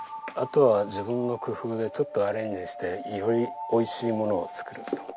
あとは自分の工夫でちょっとアレンジしてより美味しいものを作ると。